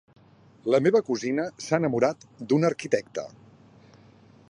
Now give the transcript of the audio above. La meva cosina s'ha enamorat d'un arquitecte.